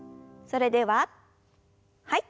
それでははい。